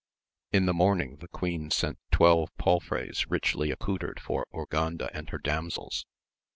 In the morning the queen sent twelve palfreys richly accoutred for Urganda and her damsels.